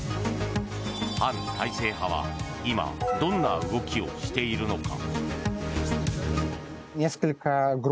反体制派は今、どんな動きをしているのか。